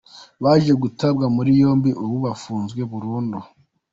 baje gutabwa muri yombi ubu bafunze burundu.